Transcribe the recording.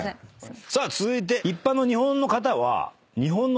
さあ続いて。